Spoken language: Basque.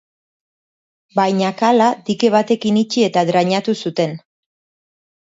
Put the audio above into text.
Baina kala dike batekin itxi eta drainatu zuten.